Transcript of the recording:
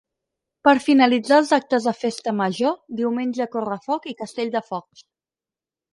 Per finalitzar els actes de festa major, diumenge correfoc i castell de focs.